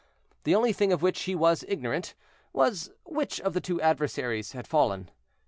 The only thing of which he was ignorant was, which of the two adversaries had fallen.